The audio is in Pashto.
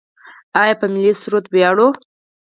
آیا په ملي سرود ویاړو؟